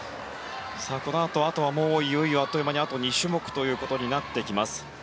このあと、あとはいよいよあっという間に２種目となってきます。